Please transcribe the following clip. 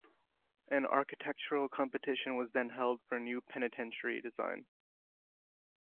An architectural competition was then held for a new penitentiary design.